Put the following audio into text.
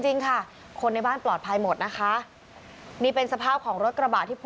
จริงค่ะคนในบ้านปลอดภัยหมดนะคะนี่เป็นสภาพของรถกระบะที่